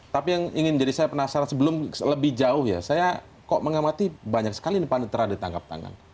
tapi yang ingin jadi saya penasaran sebelum lebih jauh ya saya kok mengamati banyak sekali panitera ditangkap tangan